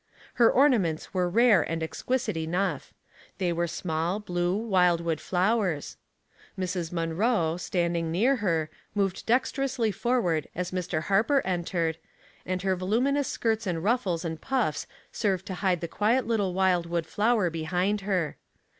Her ornaments were rare and exquisite enough ; they were small, blue wild wood flowers. Mrs. Munroe, standing near her, moved dexterously forward as Mr. Harper en tered, and her voluminous skirts and ruffles and puffs served to hide the quiet little wildwood flower behkid her.